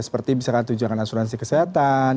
seperti misalkan tunjangan asuransi kesehatan